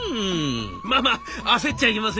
「まあまあ焦っちゃいけませんよ。